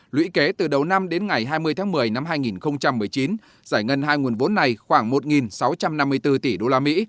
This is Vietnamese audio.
lũy kế từ đầu năm đến ngày hai mươi tháng một mươi năm hai nghìn một mươi chín giải ngân hai nguồn vốn này khoảng một sáu trăm năm mươi bốn tỷ đô la mỹ